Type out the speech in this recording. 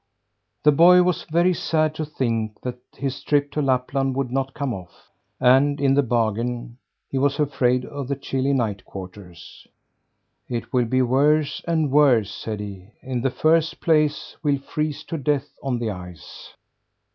The boy was very sad to think that his trip to Lapland would not come off, and, in the bargain, he was afraid of the chilly night quarters. "It will be worse and worse," said he. "In the first place, we'll freeze to death on the ice."